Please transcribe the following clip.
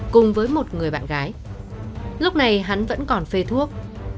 cùng với một người bạn gái lúc này hắn vẫn còn phê thuốc